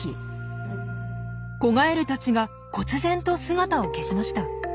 子ガエルたちがこつ然と姿を消しました。